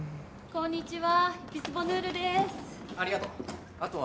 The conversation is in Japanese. こんにちは。